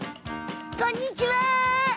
こんにちは！